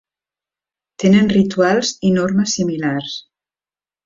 Tenen rituals i normes similars.